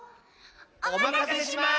おまかせします！